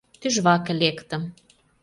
Тӱжваке лектым.